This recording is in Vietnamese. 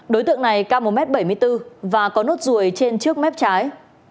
đối tượng này cao một m bảy mươi bốn và có nốt ruồi trên trước mép trái